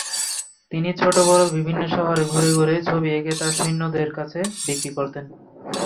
তিনি ছোট-বড় বিভিন্ন শহরে ঘুরে ঘুরে ছবি এঁকে তা সৈন্যদের কাছে বিক্রি করতেন।